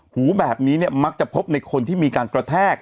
หูแบบนี้เนี่ยมักจะพบในคนที่มีการกระแทก